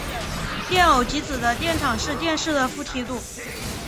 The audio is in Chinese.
电偶极子的电场是电势的负梯度。